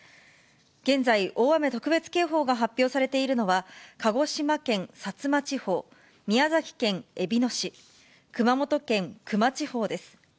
現在、大雨特別警報が発表されているのは、鹿児島県薩摩地方、宮崎県えびの市、熊本県球磨地方です。